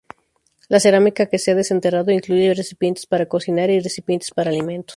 La cerámica que se ha desenterrado incluye recipientes para cocinar y recipientes para alimentos.